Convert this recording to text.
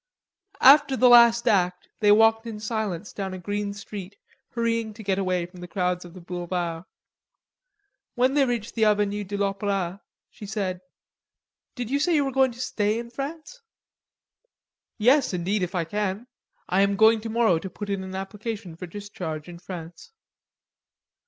After the last act they walked in silence down a dark street, hurrying to get away from the crowds of the Boulevards. When they reached the Avenue de l'Opera, she said: "Did you say you were going to stay in France?" "Yes, indeed, if I can. I am going tomorrow to put in an application for discharge in France."